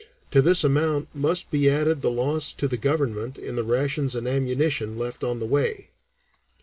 To this amount must be added the loss to the Government in the rations and ammunition left on the way."